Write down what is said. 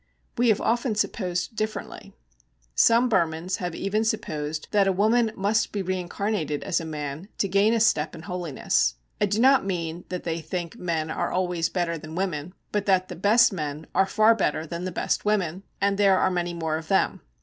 We have often supposed differently. Some Burmans have even supposed that a woman must be reincarnated as a man to gain a step in holiness. I do not mean that they think men are always better than women, but that the best men are far better than the best women, and there are many more of them.